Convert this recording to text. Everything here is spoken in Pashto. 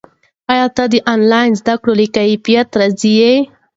ایا ته د آنلاین زده کړې له کیفیت راضي یې؟